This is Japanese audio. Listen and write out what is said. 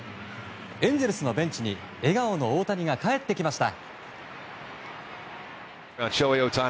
エンゼルスのベンチに笑顔の大谷が帰ってきました。